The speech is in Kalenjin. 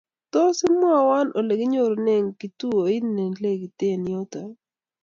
tos imwowo ole kinyorunen kituoit ne lekiten yuto